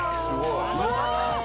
うわ！